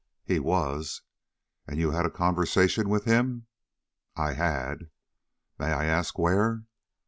"He was." "And you had a conversation with him?" "I had." "May I ask where?"